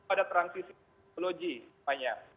ada transisi epidemiologi banyak